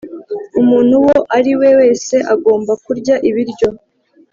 umuntu wo ariwe wese agomba kurya ibiryo